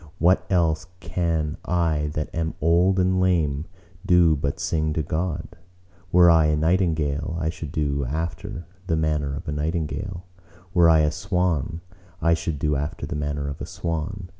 What else can I that am old and lame do but sing to God? Were I a nightingale, I should do after the manner of a nightingale. Were I a swan, I should do after the manner of a swan.